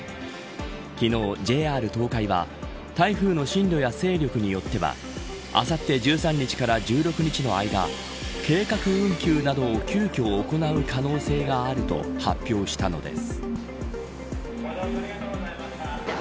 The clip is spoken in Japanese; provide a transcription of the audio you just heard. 昨日、ＪＲ東海は台風の進路や勢力によってはあさって１３日から１６日の間計画運休などを急きょ行う可能性があると発表したのです。